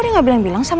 kenapa kau mau kaget